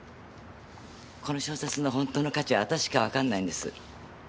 この小説の本当の価値はあたししかわかんないんです。